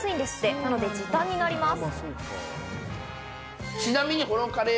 なので時短になります。